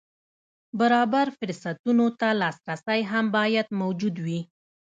برابر فرصتونو ته لاسرسی هم باید موجود وي.